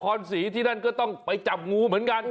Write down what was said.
ศรีที่นั่นก็ต้องไปจับงูเหมือนกัน